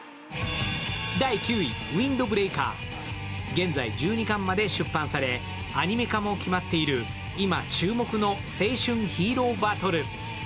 現在１２巻まで出版され、アニメ化も決まっている今注目の青春ヒーローバトル。